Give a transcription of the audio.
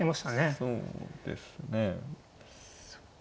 そうですね。